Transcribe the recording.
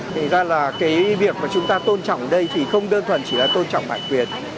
thực ra là cái việc mà chúng ta tôn trọng đây thì không đơn thuần chỉ là tôn trọng bản quyền